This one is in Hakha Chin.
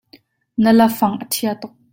Na lafang a ṭhia tuk.